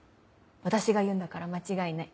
私が言うんだから間違いない。